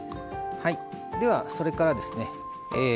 ではそれからですね